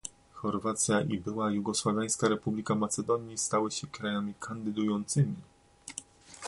Chorwacja i Była Jugosłowiańska Republika Macedonii stały się krajami kandydującymi